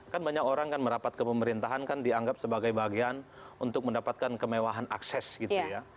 kan banyak orang kan merapat ke pemerintahan kan dianggap sebagai bagian untuk mendapatkan kemewahan akses gitu ya